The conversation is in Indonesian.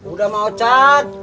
udah ma ocat